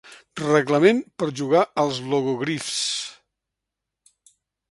Reglament per jugar als logogrifs.